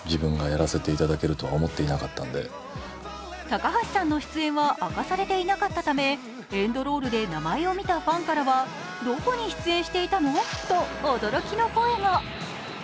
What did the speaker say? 高橋さんの出演は明かされていなかったため、エンドロールで名前を見たファンからは、どこに出演していたの？と驚きの声が。